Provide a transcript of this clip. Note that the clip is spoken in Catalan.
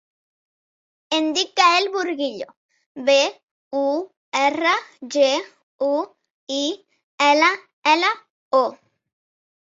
Em dic Gaël Burguillo: be, u, erra, ge, u, i, ela, ela, o.